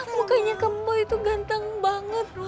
mukanya kem boy itu ganteng banget